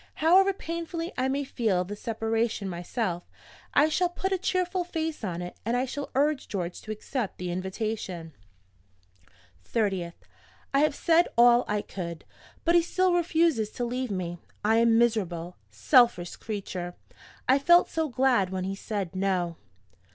However painfully I may feel the separation myself, I shall put a cheerful face on it; and I shall urge George to accept the invitation. "30th. I have said all I could; but he still refuses to leave me. I am a miserable, selfish creature. I felt so glad when he said No.